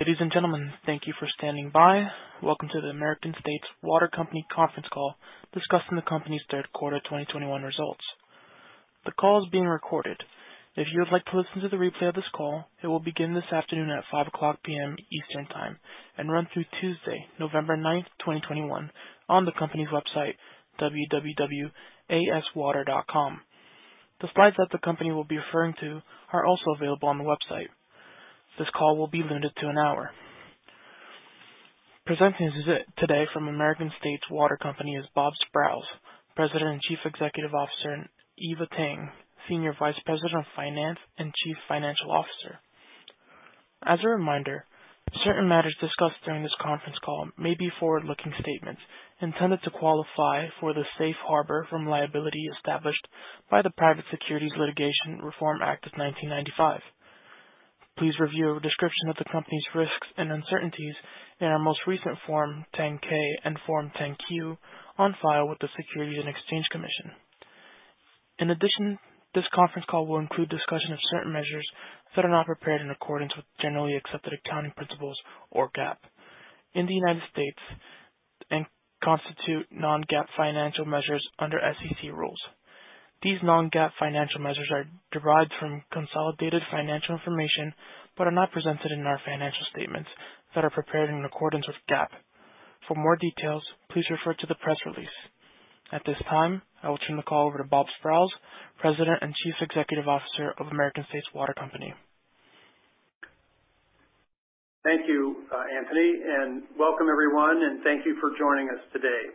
Ladies and gentlemen, thank you for standing by. Welcome to the American States Water Company conference call discussing the company's third quarter 2021 results. The call is being recorded. If you would like to listen to the replay of this call, it will begin this afternoon at 5:00 P.M. Eastern Time and run through Tuesday, November 9, 2021 on the company's website, www.aswater.com. The slides that the company will be referring to are also available on the website. This call will be limited to an hour. Presenting today from American States Water Company is Bob Sprowls, President and Chief Executive Officer, and Eva Tang, Senior Vice President of Finance and Chief Financial Officer. As a reminder, certain matters discussed during this conference call may be forward-looking statements intended to qualify for the safe harbor from liability established by the Private Securities Litigation Reform Act of 1995. Please review a description of the company's risks and uncertainties in our most recent Form 10-K and Form 10-Q on file with the Securities and Exchange Commission. In addition, this conference call will include discussion of certain measures that are not prepared in accordance with generally accepted accounting principles or GAAP in the United States and constitute non-GAAP financial measures under SEC rules. These non-GAAP financial measures are derived from consolidated financial information, but are not presented in our financial statements that are prepared in accordance with GAAP. For more details, please refer to the press release. At this time, I will turn the call over to Bob Sprowls, President and Chief Executive Officer of American States Water Company. Thank you, Anthony, and welcome, everyone, and thank you for joining us today.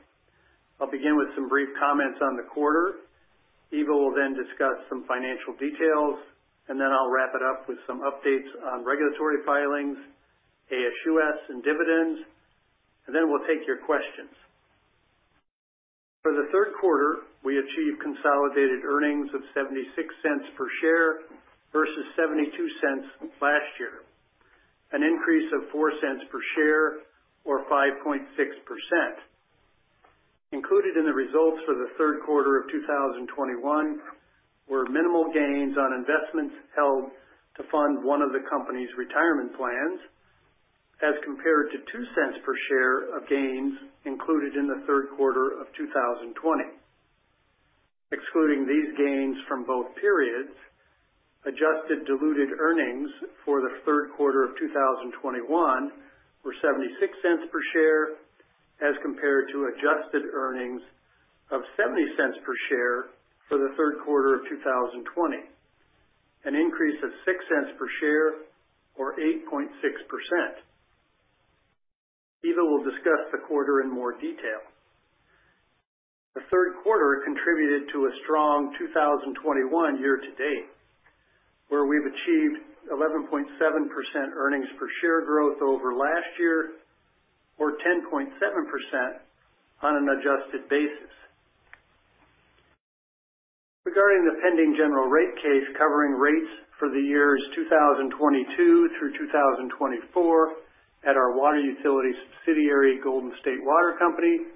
I'll begin with some brief comments on the quarter. Eva will then discuss some financial details, and then I'll wrap it up with some updates on regulatory filings, ASUS and dividends. We'll take your questions. For the third quarter, we achieved consolidated earnings of $0.76 per share versus $0.72 last year, an increase of $0.04 per share or 5.6%. Included in the results for the third quarter of 2021 were minimal gains on investments held to fund one of the company's retirement plans, as compared to $0.02 per share of gains included in the third quarter of 2020. Excluding these gains from both periods, adjusted diluted earnings for the third quarter of 2021 were $0.76 per share, as compared to adjusted earnings of $0.70 per share for the third quarter of 2020, an increase of $0.06 per share or 8.6%. Eva will discuss the quarter in more detail. The third quarter contributed to a strong 2021 year to date, where we've achieved 11.7% earnings per share growth over last year or 10.7% on an adjusted basis. Regarding the pending general rate case covering rates for the years 2022 through 2024 at our water utility subsidiary, Golden State Water Company,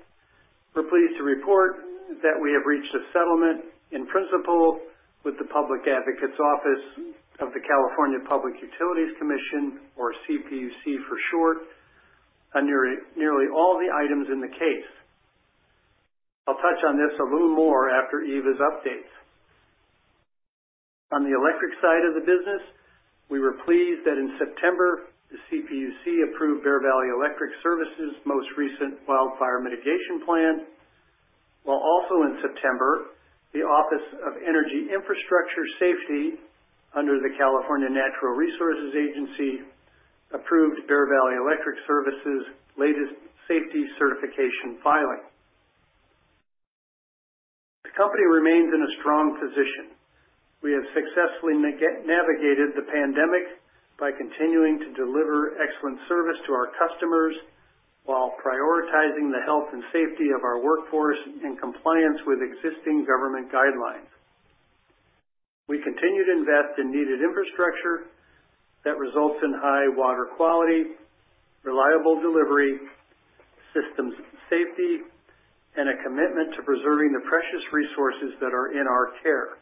we're pleased to report that we have reached a settlement in principle with the Public Advocates Office of the California Public Utilities Commission, or CPUC for short, on nearly all the items in the case. I'll touch on this a little more after Eva's updates. On the electric side of the business, we were pleased that in September, the CPUC approved Bear Valley Electric Service's most recent Wildfire Mitigation Plan, while also in September, the Office of Energy Infrastructure Safety under the California Natural Resources Agency approved Bear Valley Electric Service's latest safety certification filing. The company remains in a strong position. We have successfully navigated the pandemic by continuing to deliver excellent service to our customers while prioritizing the health and safety of our workforce in compliance with existing government guidelines. We continue to invest in needed infrastructure that results in high water quality, reliable delivery, systems safety, and a commitment to preserving the precious resources that are in our care.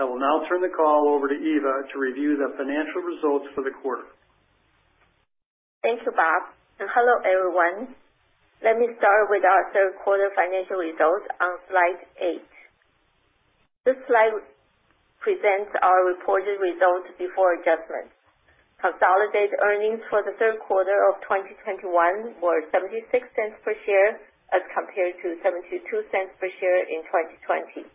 I will now turn the call over to Eva to review the financial results for the quarter. Thank you, Bob. Hello, everyone. Let me start with our third quarter financial results on slide 8. This slide presents our reported results before adjustments. Consolidated earnings for the third quarter of 2021 were $0.76 per share as compared to $0.72 per share in 2020.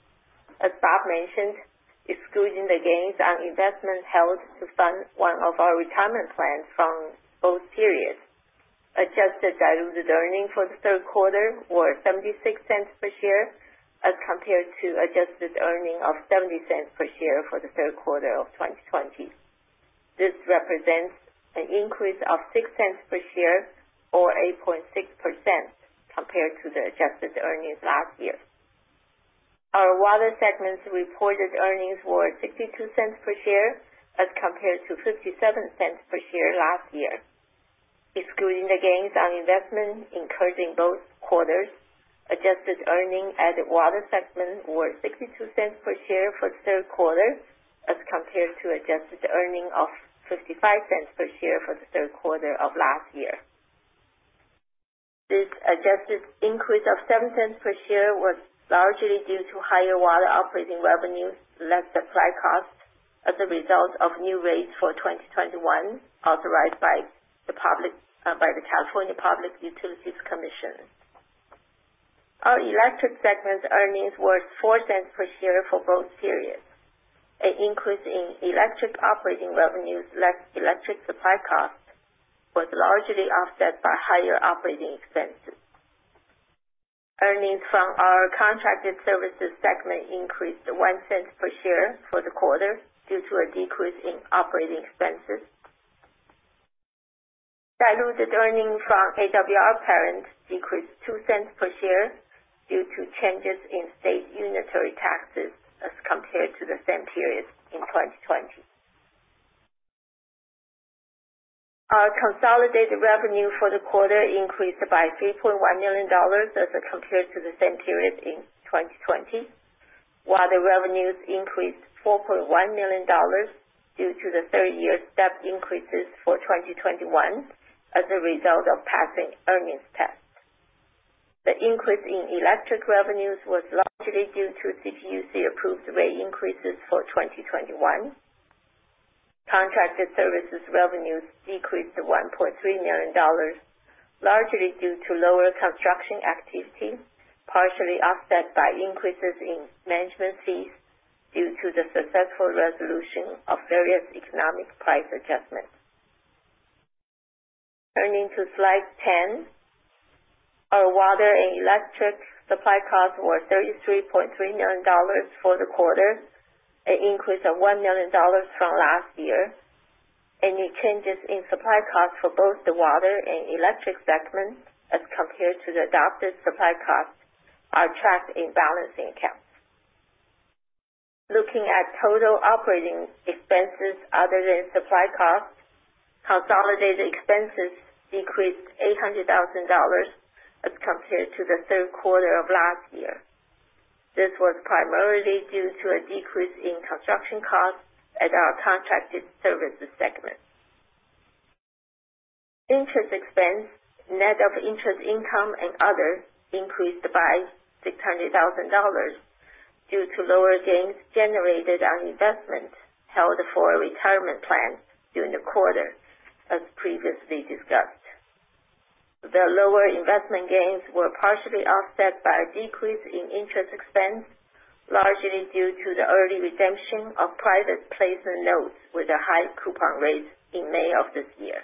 As Bob mentioned, excluding the gains on investments held to fund one of our retirement plans from both periods, adjusted diluted earnings for the third quarter were $0.76 per share as compared to adjusted earnings of $0.70 per share for the third quarter of 2020. This represents an increase of $0.06 per share or 8.6% compared to the adjusted earnings last year. Our water segment's reported earnings were $0.62 per share as compared to $0.57 per share last year. Excluding the gains on investment incurred in both quarters, adjusted earnings at the water segment were $0.62 per share for the third quarter as compared to adjusted earnings of $0.55 per share for the third quarter of last year. This adjusted increase of $0.07 per share was largely due to higher water operating revenues, less supply costs as a result of new rates for 2021 authorized by the California Public Utilities Commission. Our electric segment earnings were $0.04 per share for both periods. An increase in electric operating revenues and less electric supply cost was largely offset by higher operating expenses. Earnings from our contracted services segment increased $0.01 per share for the quarter due to a decrease in operating expenses. Diluted earnings from AWR parent decreased $0.02 per share due to changes in state unitary taxes as compared to the same period in 2020. Our consolidated revenue for the quarter increased by $3.1 million as compared to the same period in 2020. The revenues increased $4.1 million due to the third-year step increases for 2021 as a result of passing earnings test. The increase in electric revenues was largely due to CPUC-approved rate increases for 2021. Contracted services revenues decreased to $1.3 million, largely due to lower construction activity, partially offset by increases in management fees due to the successful resolution of various economic price adjustments. Turning to slide 10. Our water and electric supply costs were $33.3 million for the quarter, an increase of $1 million from last year. Any changes in supply costs for both the water and electric segments as compared to the adopted supply costs are tracked in balancing accounts. Looking at total operating expenses other than supply costs, consolidated expenses decreased $800,000 as compared to the third quarter of last year. This was primarily due to a decrease in construction costs at our contracted services segment. Interest expense, net of interest income and other increased by $600,000 due to lower gains generated on investments held for retirement plans during the quarter, as previously discussed. The lower investment gains were partially offset by a decrease in interest expense, largely due to the early redemption of private placement notes with a high coupon rate in May of this year.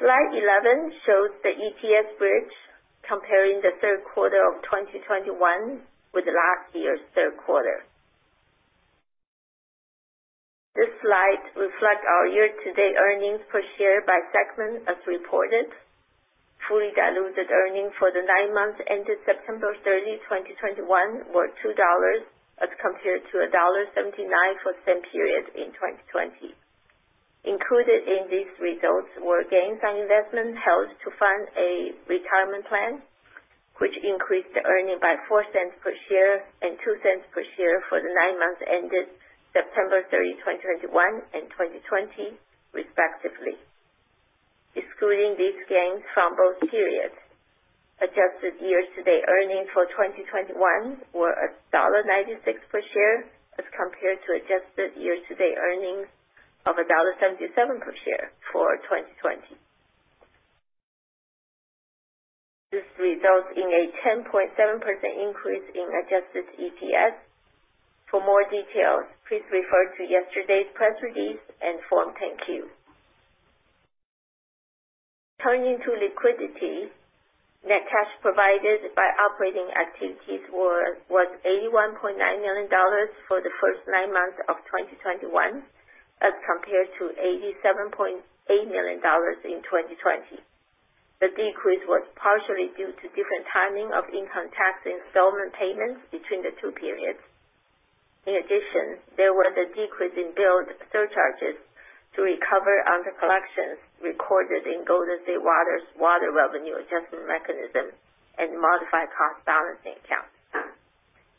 Slide 11 shows the EPS bridge comparing the third quarter of 2021 with last year's third quarter. This slide reflects our year-to-date earnings per share by segment as reported. Fully diluted earnings for the nine months ended September 30, 2021 were $2 as compared to $1.79 for the same period in 2020. Included in these results were gains on investments held to fund a retirement plan, which increased earnings by $0.04 per share and $0.02 per share for the nine months ended September 30, 2021 and 2020, respectively. Excluding these gains from both periods, adjusted year-to-date earnings for 2021 were $1.96 per share as compared to adjusted year-to-date earnings of $1.77 per share for 2020. This results in a 10.7% increase in adjusted EPS. For more details, please refer to yesterday's press release and Form 10-Q. Turning to liquidity, net cash provided by operating activities was $81.9 million for the first nine months of 2021 as compared to $87.8 million in 2020. The decrease was partially due to different timing of income tax installment payments between the two periods. In addition, there was a decrease in billed surcharges to recover under-collections recorded in Golden State Water's Water Revenue Adjustment Mechanism and Modified Cost Balancing Account.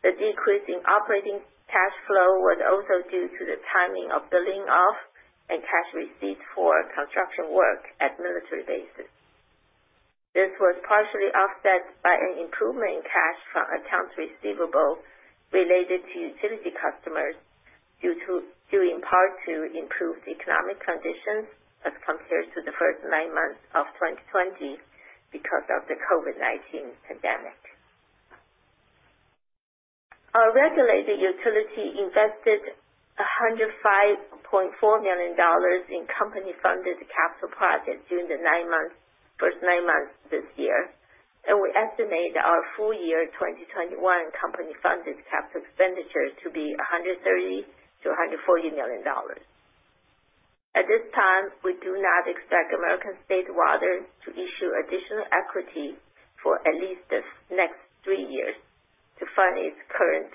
The decrease in operating cash flow was also due to the timing of billing and cash receipts for construction work at military bases. This was partially offset by an improvement in cash from accounts receivable related to utility customers due in part to improved economic conditions as compared to the first nine months of 2020 because of the COVID-19 pandemic. Our regulated utility invested $105.4 million in company-funded capital projects during the first nine months this year, and we estimate our full year 2021 company-funded capital expenditures to be $130 million-$140 million. At this time, we do not expect American States Water to issue additional equity for at least the next three years to fund its current.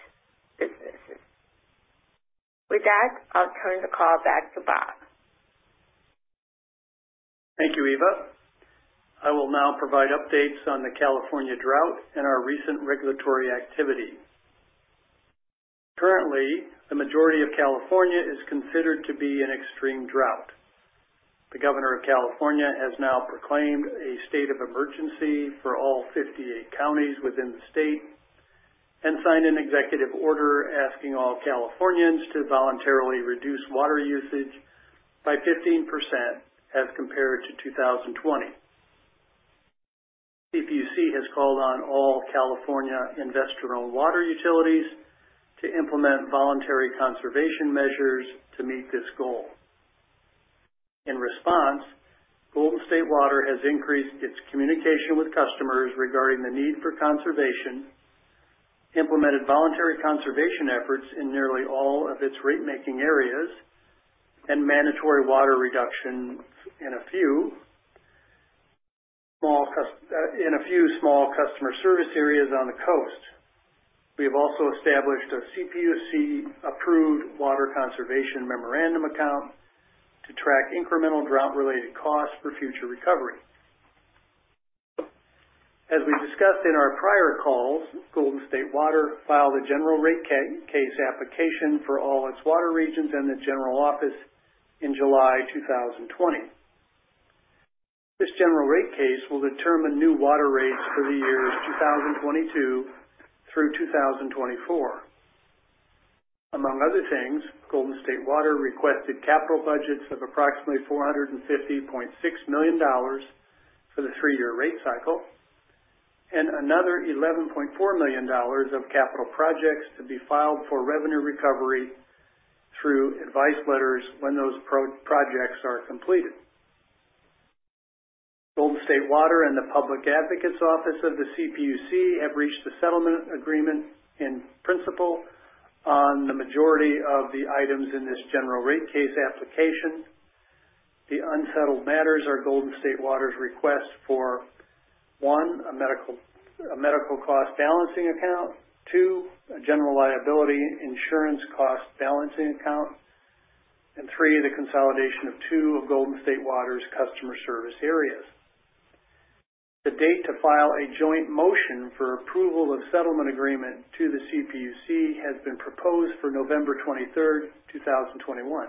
With that, I'll turn the call back to Bob. Thank you, Eva. I will now provide updates on the California drought and our recent regulatory activity. Currently, the majority of California is considered to be in extreme drought. The Governor of California has now proclaimed a state of emergency for all 58 counties within the state and signed an executive order asking all Californians to voluntarily reduce water usage by 15% as compared to 2020. CPUC has called on all California investor-owned water utilities to implement voluntary conservation measures to meet this goal. In response, Golden State Water has increased its communication with customers regarding the need for conservation, implemented voluntary conservation efforts in nearly all of its rate-making areas, and mandatory water reduction in a few small customer service areas on the coast. We have also established a CPUC-approved Water Conservation Memorandum Account to track incremental drought-related costs for future recovery. As we discussed in our prior calls, Golden State Water filed a general rate case application for all its water regions and the general office in July 2020. This general rate case will determine new water rates for the years 2022 through 2024. Among other things, Golden State Water requested capital budgets of approximately $450.6 million for the three-year rate cycle and another $11.4 million of capital projects to be filed for revenue recovery through advice letters when those projects are completed. Golden State Water and the Public Advocates Office of the CPUC have reached a settlement agreement in principle on the majority of the items in this general rate case application. The unsettled matters are Golden State Water's request for, one, a medical cost balancing account, two, a general liability insurance cost balancing account, and three, the consolidation of two of Golden State Water's customer service areas. The date to file a joint motion for approval of settlement agreement to the CPUC has been proposed for November 23, 2021.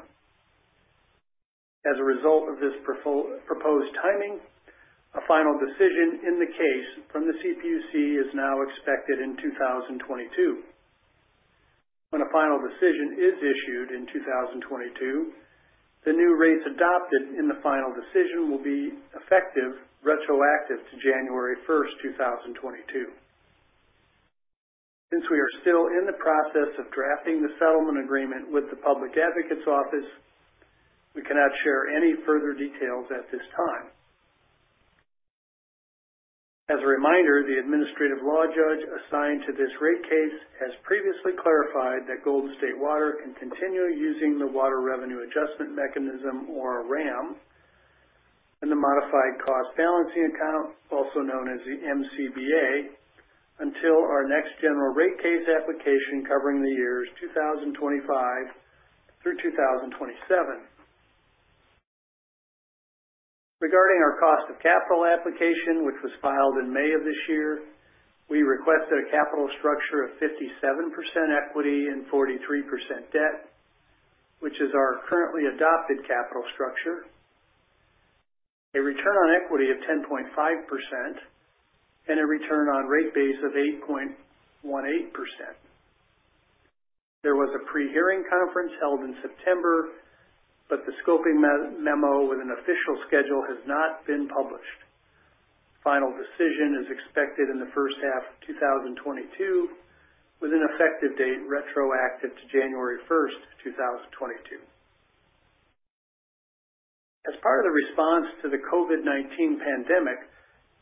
As a result of this proposed timing, a final decision in the case from the CPUC is now expected in 2022. When a final decision is issued in 2022, the new rates adopted in the final decision will be effective retroactive to January 1, 2022. Since we are still in the process of drafting the settlement agreement with the Public Advocates Office, we cannot share any further details at this time. As a reminder, the administrative law judge assigned to this rate case has previously clarified that Golden State Water can continue using the Water Revenue Adjustment Mechanism, or RAM, and the Modified Cost Balancing Account, also known as the MCBA, until our next general rate case application covering the years 2025 through 2027. Regarding our cost of capital application, which was filed in May of this year, we requested a capital structure of 57% equity and 43% debt, which is our currently adopted capital structure, a return on equity of 10.5%, and a return on rate base of 8.18%. There was a pre-hearing conference held in September, but the scoping memo with an official schedule has not been published. Final decision is expected in the first half of 2022, with an effective date retroactive to January 1, 2022. As part of the response to the COVID-19 pandemic,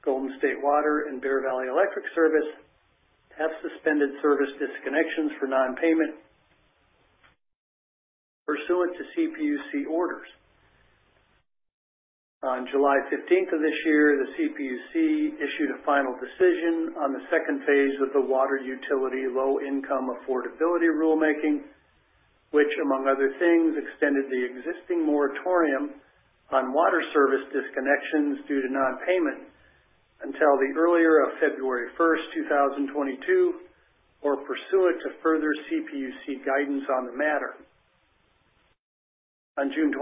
Golden State Water and Bear Valley Electric Service have suspended service disconnections for non-payment pursuant to CPUC orders. On July 15 of this year, the CPUC issued a final decision on the second phase of the Water Utility Low-Income Affordability rulemaking, which, among other things, extended the existing moratorium on water service disconnections due to non-payment until the earlier of February 1, 2022, or pursuant to further CPUC guidance on the matter. On June 24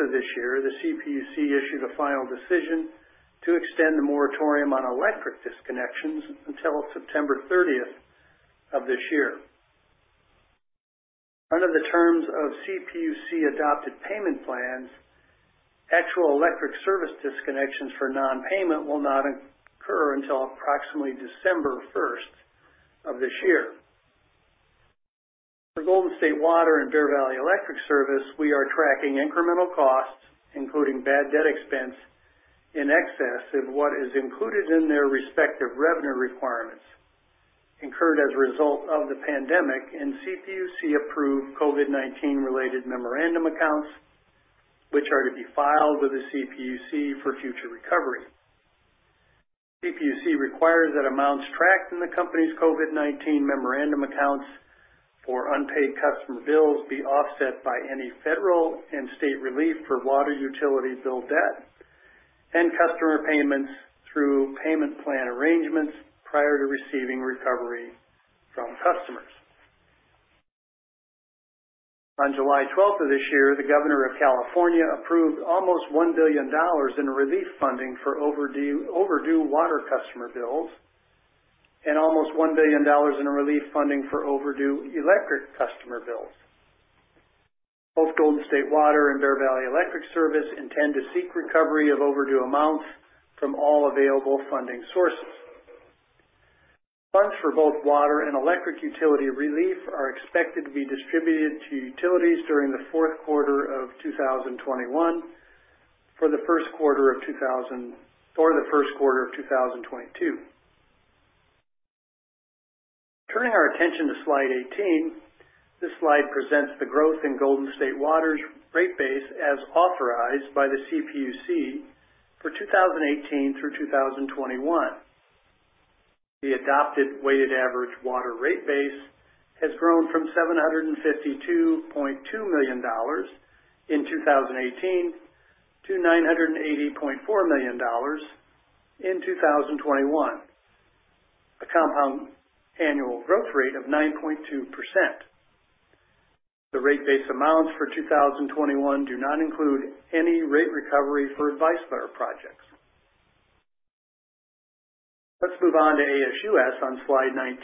of this year, the CPUC issued a final decision to extend the moratorium on electric disconnections until September 30 of this year. Under the terms of CPUC-adopted payment plans, actual electric service disconnections for non-payment will not occur until approximately December first of this year. For Golden State Water and Bear Valley Electric Service, we are tracking incremental costs, including bad debt expense, in excess of what is included in their respective revenue requirements incurred as a result of the pandemic in CPUC-approved COVID-19-related memorandum accounts, which are to be filed with the CPUC for future recovery. CPUC requires that amounts tracked in the company's COVID-19 memorandum accounts for unpaid customer bills be offset by any federal and state relief for water utility bill debt and customer payments through payment plan arrangements prior to receiving recovery from customers. On July 12 of this year, the Governor of California approved almost $1 billion in relief funding for overdue water customer bills and almost $1 billion in relief funding for overdue electric customer bills. Both Golden State Water and Bear Valley Electric Service intend to seek recovery of overdue amounts from all available funding sources. Funds for both water and electric utility relief are expected to be distributed to utilities during the fourth quarter of 2021 for the first quarter of 2022. Turning our attention to slide 18. This slide presents the growth in Golden State Water's rate base as authorized by the CPUC for 2018 through 2021. The adopted weighted average water rate base has grown from $752.2 million in 2018 to $980.4 million in 2021, a compound annual growth rate of 9.2%. The rate base amounts for 2021 do not include any rate recovery for advice letter projects. Let's move on to ASUS on slide 19.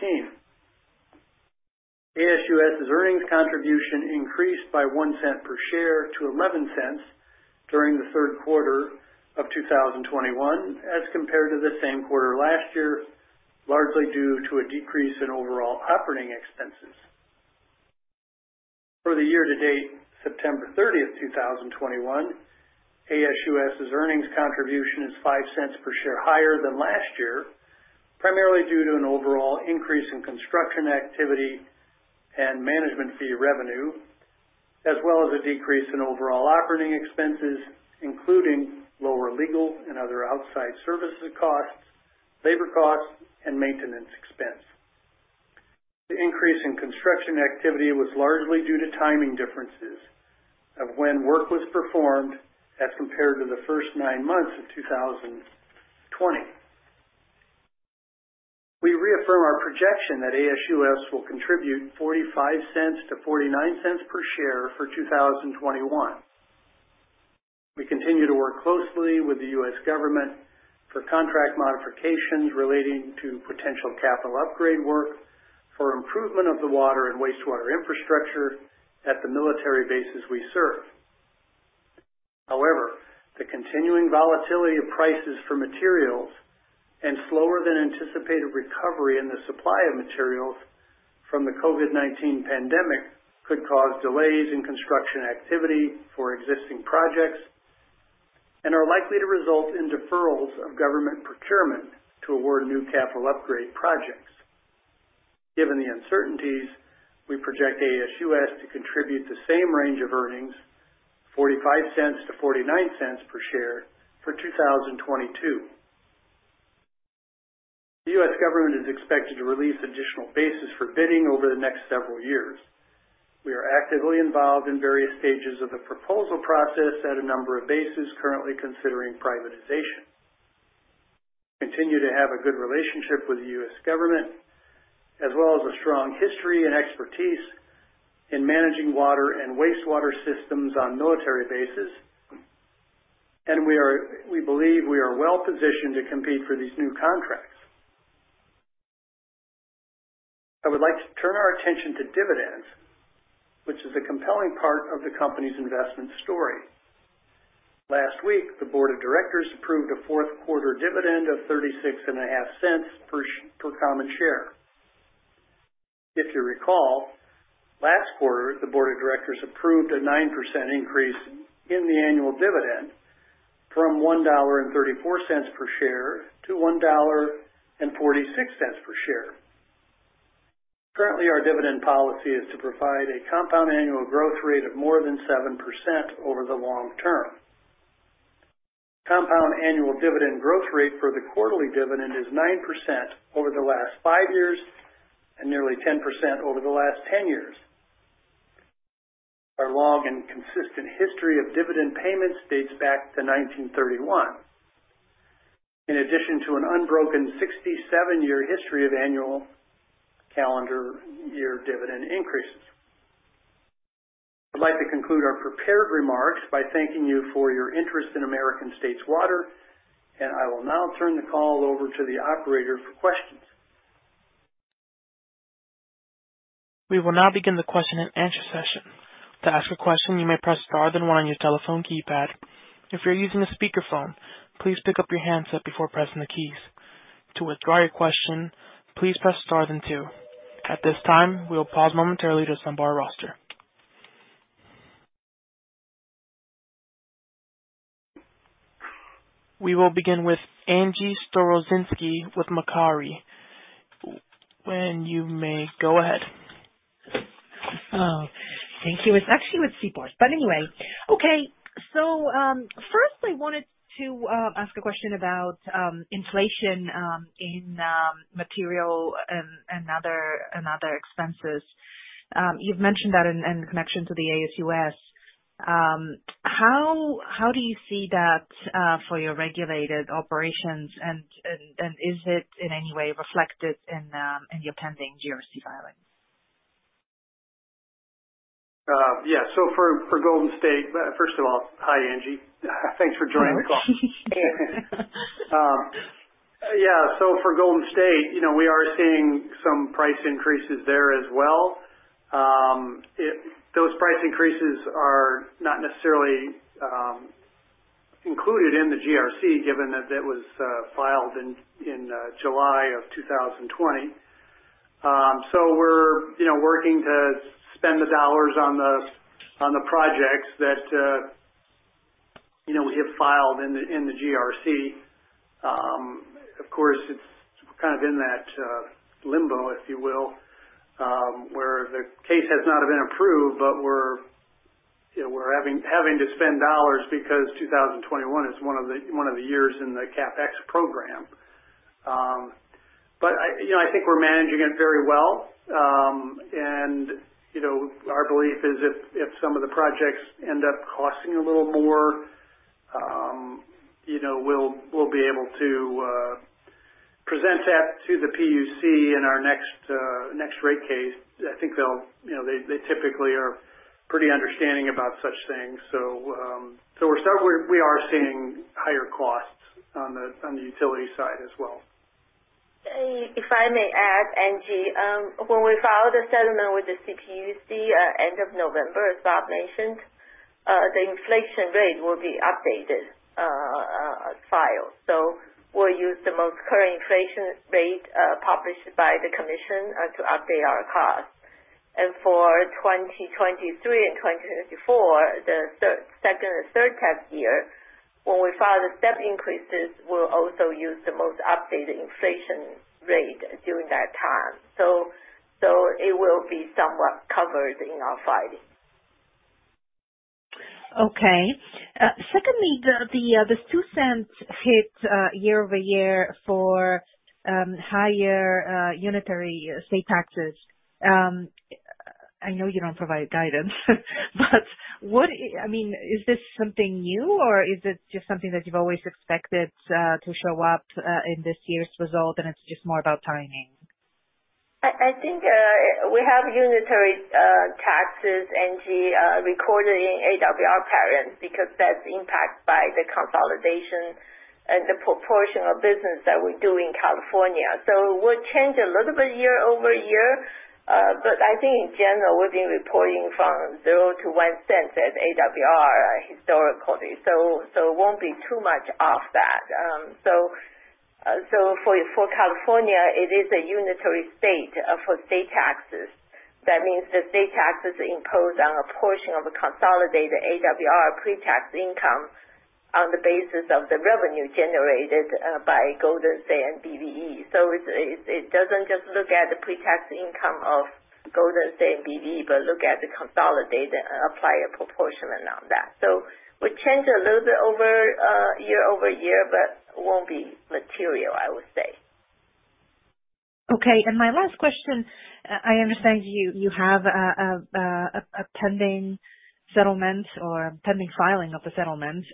ASUS's earnings contribution increased by $0.01 per share to $0.11 during the third quarter of 2021 as compared to the same quarter last year, largely due to a decrease in overall operating expenses. For the year-to-date September 30, 2021, ASUS's earnings contribution is $0.05 per share higher than last year, primarily due to an overall increase in construction activity and management fee revenue, as well as a decrease in overall operating expenses, including lower legal and other outside services costs, labor costs, and maintenance expense. The increase in construction activity was largely due to timing differences of when work was performed as compared to the first nine months of 2020. We reaffirm our projection that ASUS will contribute $0.45-$0.49 per share for 2021. We continue to work closely with the U.S. government for contract modifications relating to potential capital upgrade work for improvement of the water and wastewater infrastructure at the military bases we serve. However, the continuing volatility of prices for materials and slower than anticipated recovery in the supply of materials from the COVID-19 pandemic could cause delays in construction activity for existing projects and are likely to result in deferrals of government procurement to award new capital upgrade projects. Given the uncertainties, we project ASUS to contribute the same range of earnings, $0.45-$0.49 per share for 2022. The U.S. government is expected to release additional bases for bidding over the next several years. We are actively involved in various stages of the proposal process at a number of bases currently considering privatization. We continue to have a good relationship with the U.S. government as well as a strong history and expertise in managing water and wastewater systems on military bases. We believe we are well positioned to compete for these new contracts. I would like to turn our attention to dividends, which is a compelling part of the company's investment story. Last week, the board of directors approved a fourth quarter dividend of $0.365 per common share. If you recall, last quarter, the board of directors approved a 9% increase in the annual dividend from $1.34 per share to $1.46 per share. Currently, our dividend policy is to provide a compound annual growth rate of more than 7% over the long term. Compound annual dividend growth rate for the quarterly dividend is 9% over the last 5 years and nearly 10% over the last 10 years. Our long and consistent history of dividend payments dates back to 1931. In addition to an unbroken 67-year history of annual calendar year dividend increases. I'd like to conclude our prepared remarks by thanking you for your interest in American States Water, and I will now turn the call over to the operator for questions. We will now begin the question and answer session. To ask a question, you may press star then one on your telephone keypad. If you're using a speakerphone, please pick up your handset before pressing the keys. To withdraw your question, please press star then two. At this time, we will pause momentarily to assemble our roster. We will begin with Angie Storozynski with Macquarie. You may go ahead. Oh, thank you. It's actually with Seaport. But anyway, okay. Firstly I wanted to ask a question about inflation in material and other expenses. You've mentioned that in connection to the ASUS. How do you see that for your regulated operations? And is it in any way reflected in your pending GRC filings? Yeah. For Golden State, first of all, hi, Angie. Thanks for joining the call. Yeah. For Golden State, you know, we are seeing some price increases there as well. Those price increases are not necessarily included in the GRC given that that was filed in July 2020. We're working to spend the dollars on the projects that you know we have filed in the GRC. Of course, it's kind of in that limbo, if you will, where the case has not been approved, but we're you know we're having to spend dollars because 2021 is one of the years in the CapEx program. I you know I think we're managing it very well. You know, our belief is if some of the projects end up costing a little more, you know, we'll be able to present that to the PUC in our next rate case. I think they'll, you know, they typically are pretty understanding about such things. We are seeing higher costs on the utility side as well. If I may add, Angie, when we file the settlement with the CPUC at end of November, as Bob mentioned, the inflation rate will be updated, filed. We'll use the most current inflation rate published by the commission to update our costs. For 2023 and 2024, the second and third cap year, when we file the step increases, we'll also use the most updated inflation rate during that time. It will be somewhat covered in our filing. Okay. Secondly, the $0.02 hit year-over-year for higher utility state taxes. I know you don't provide guidance, but what, I mean, is this something new or is it just something that you've always expected to show up in this year's result and it's just more about timing? I think we have unitary taxes, Angie, recorded in AWR parent because that's impacted by the consolidation and the proportion of business that we do in California. It would change a little bit year-over-year, but I think in general, we've been reporting from $0 to $0.01 at AWR historically. It won't be too much off that. For California, it is a unitary state for state taxes. That means the state taxes are imposed on a portion of the consolidated AWR pre-tax income on the basis of the revenue generated by Golden State and BVE. It doesn't just look at the pre-tax income of Golden State and BVE, but look at the consolidated and apply a proportion amount of that. Would change a little bit over year over year, but won't be material, I would say. Okay. My last question, I understand you have a pending settlement or a pending filing of a settlement.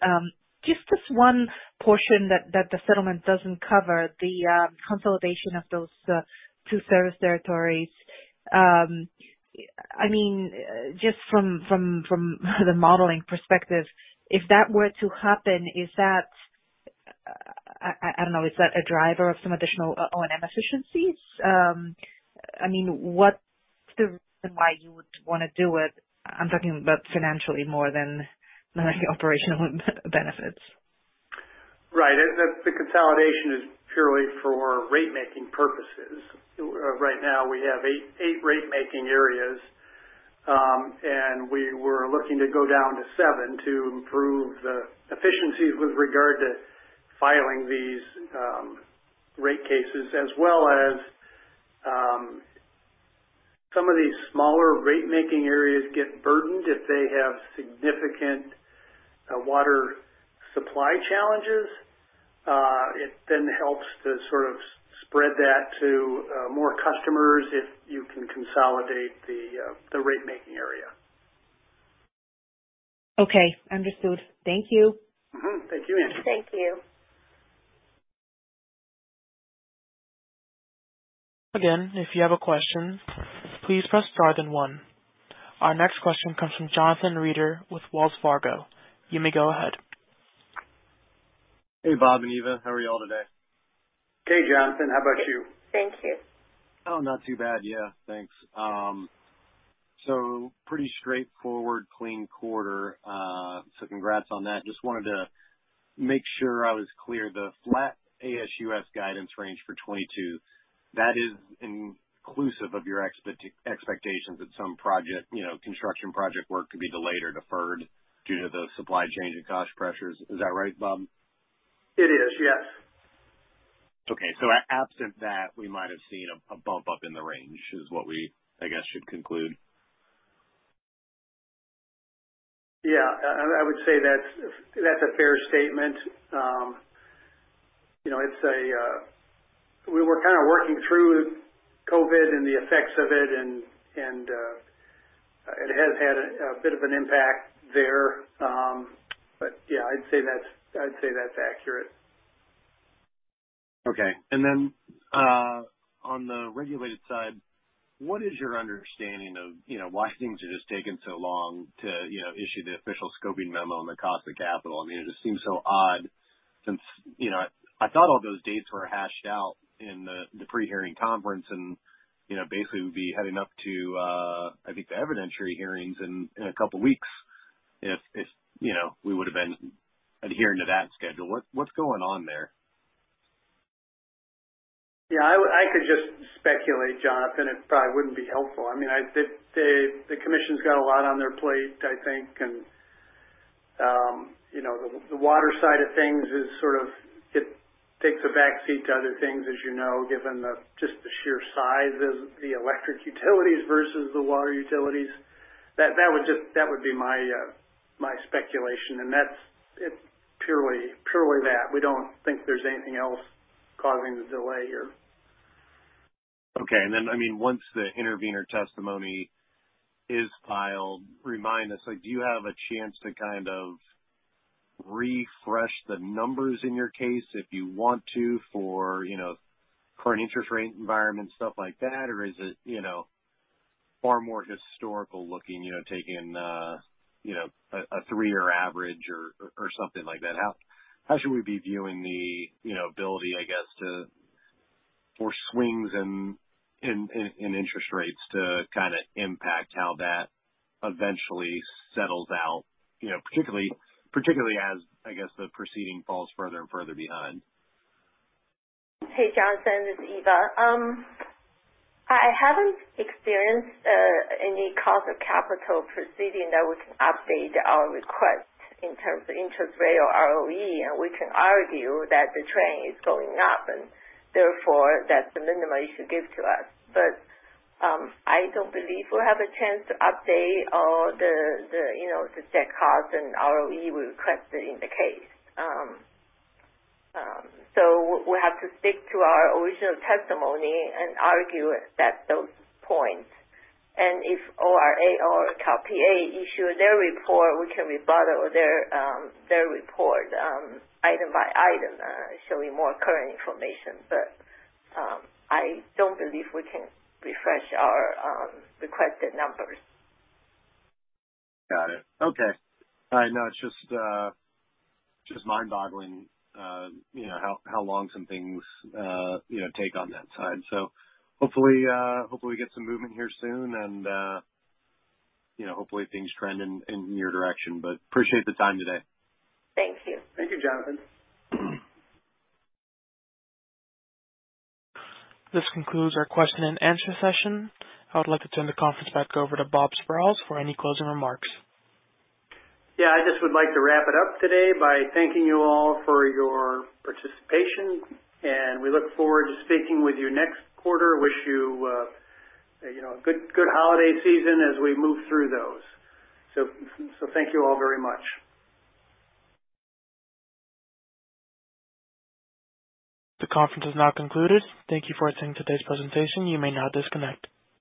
Just this one portion that the settlement doesn't cover the consolidation of those two service territories. I mean, just from the modeling perspective, if that were to happen, is that a driver of some additional O&M efficiencies? I mean, what's the reason why you would wanna do it? I'm talking about financially more than operational benefits. Right. The consolidation is purely for rate making purposes. Right now we have eight rate making areas, and we were looking to go down to seven to improve the efficiencies with regard to filing these rate cases, as well as some of these smaller rate making areas get burdened if they have significant water supply challenges. It then helps to sort of spread that to more customers if you can consolidate the rate making area. Okay. Understood. Thank you. Mm-hmm. Thank you, Angie. Thank you. Again, if you have a question, please press star then one. Our next question comes from Jonathan Reeder with Wells Fargo. You may go ahead. Hey, Bob and Eva. How are y'all today? Hey, Jonathan. How about you? Thank you. Oh, not too bad. Yeah. Thanks. So pretty straightforward clean quarter. So congrats on that. Just wanted to make sure I was clear. The flat ASUS guidance range for 2022, that is inclusive of your expectations that some project, you know, construction project work could be delayed or deferred due to the supply chain and cost pressures. Is that right, Bob? It is, yes. Absent that, we might have seen a bump up in the range is what we, I guess, should conclude. Yeah. I would say that's a fair statement. You know, we were kinda working through COVID and the effects of it, and it has had a bit of an impact there. Yeah, I'd say that's accurate. Okay. On the regulated side, what is your understanding of, you know, why things are just taking so long to, you know, issue the official scoping memo on the cost of capital? I mean, it just seems so odd since, you know, I thought all those dates were hashed out in the pre-hearing conference and, you know, basically we'd be heading up to, I think the evidentiary hearings in a couple weeks if, you know, we would've been adhering to that schedule. What's going on there? Yeah, I could just speculate, Jonathan. It probably wouldn't be helpful. I mean, the commission's got a lot on their plate, I think. You know, the water side of things is sort of it takes a backseat to other things, as you know, given just the sheer size of the electric utilities versus the water utilities. That would be my speculation, and that's it purely that. We don't think there's anything else causing the delay here. Okay. I mean, once the intervener testimony is filed, remind us, like, do you have a chance to kind of refresh the numbers in your case if you want to for, you know, current interest rate environment, stuff like that? Or is it, you know, far more historical looking, you know, taking a three-year average or something like that? How should we be viewing the, you know, ability, I guess, to for swings in interest rates to kinda impact how that eventually settles out, you know, particularly as, I guess, the proceeding falls further and further behind? Hey, Jonathan, this is Eva. I haven't experienced any cost of capital proceeding that we can update our request in terms of interest rate or ROE, and we can argue that the trend is going up and therefore that's the minimum you should give to us. I don't believe we'll have a chance to update all the, you know, the debt costs and ROE we requested in the case. We have to stick to our original testimony and argue that those points. If ORA or CalPA issue their report, we can rebut their report item by item showing more current information. I don't believe we can refresh our requested numbers. Got it. Okay. I know it's just mind-boggling, you know, how long some things, you know, take on that side. Hopefully we get some movement here soon and, you know, hopefully things trend in your direction. Appreciate the time today. Thank you. Thank you, Jonathan. This concludes our question and answer session. I would like to turn the conference back over to Bob Sprowls for any closing remarks. Yeah. I just would like to wrap it up today by thanking you all for your participation, and we look forward to speaking with you next quarter. I wish you know, a good holiday season as we move through those. Thank you all very much. The conference is now concluded. Thank you for attending today's presentation. You may now disconnect.